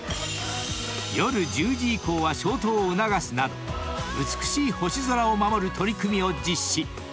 ［夜１０時以降は消灯を促すなど美しい星空を守る取り組みを実施］